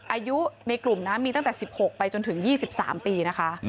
อายุในกลุ่มนะมีตั้งแต่๑๖ไปจนถึง๒๓ปีนะคะ